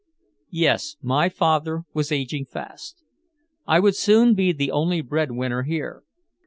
Yes, my father was aging fast, I would soon be the only breadwinner here.